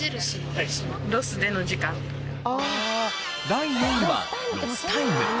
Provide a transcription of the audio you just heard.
第４位はロスタイム。